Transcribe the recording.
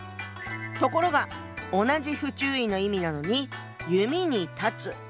ところが同じ不注意の意味なのに「弓」に「断つ」。